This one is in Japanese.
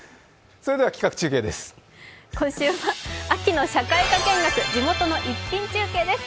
今週は秋の社会科見学、地元の逸品中継です。